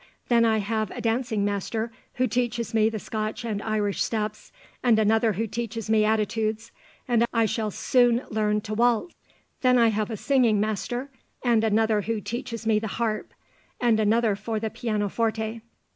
Then I have a dancing master who teaches me the Scotch and Irish steps, and another who teaches me attitudes, and I shall soon learn to waltz. Then I have a singing master, and another who teaches me the harp, and another for the pianoforte.